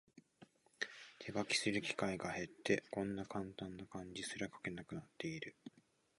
手書きする機会が減って、こんなカンタンな漢字すら書けなくなってる